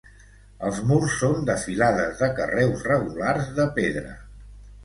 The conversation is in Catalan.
Els murs són de filades de carreus regulars de pedra.